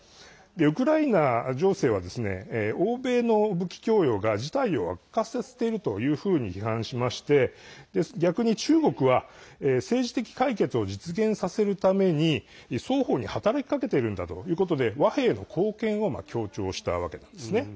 ウクライナ情勢は欧米の武器供与が事態を悪化させているというふうに批判しまして逆に中国は政治的解決を実現させるために双方に働きかけているんだということで和平の貢献を強調したわけなんですね。